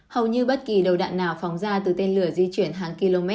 hầu như bất kỳ đầu đạn nào phóng ra từ tên lửa di chuyển hàng km